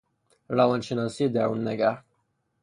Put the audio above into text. روانشناسی دروننگر